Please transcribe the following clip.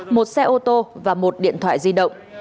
một xe ô tô và một điện thoại di động